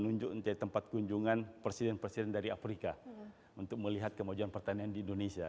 menunjuk menjadi tempat kunjungan presiden presiden dari afrika untuk melihat kemajuan pertanian di indonesia